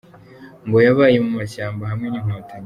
Ngo yabaye mu mashyamba hamwe n’inkotanyi.